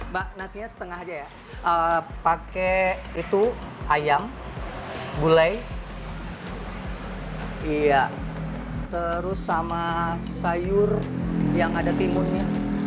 bak nasinya setengah aja ya pakai itu ayam gulai iya terus sama sayur yang ada timunnya